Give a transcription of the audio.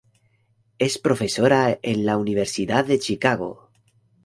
Es profesora en la Universidad de Chicago.